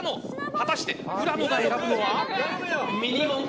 果たして浦野が選ぶのは。